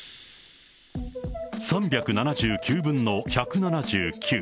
３７９分の１７９。